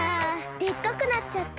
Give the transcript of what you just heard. でっかくなっちゃった。